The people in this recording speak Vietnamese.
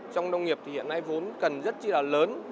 trong nông nghiệp thì hiện nay vốn cần rất là lớn